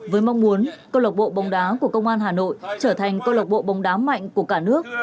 với mong muốn cơ lộc bộ bóng đá của công an hà nội trở thành cơ lộc bộ bóng đá mạnh của cả nước